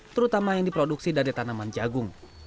terutama yang diproduksi dari tanaman jagung